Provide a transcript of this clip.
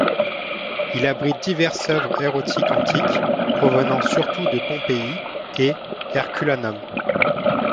Il abrite diverses œuvres érotiques antiques, provenant surtout de Pompéi et Herculanum.